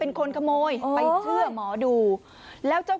สองสามีภรรยาคู่นี้มีอาชีพ